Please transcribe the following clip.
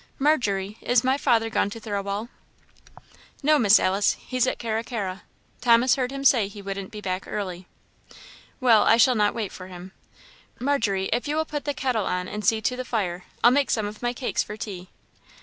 Margery, is my father gone to Thirlwall?" "No, Miss Alice he's at Carra carra Thomas heard him say he wouldn't be back early." "Well, I shall not wait for him. Margery, if you will put the kettle on and see to the fire, I'll make some of my cakes for tea."